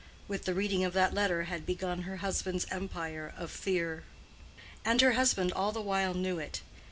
With the reading of that letter had begun her husband's empire of fear. And her husband all the while knew it.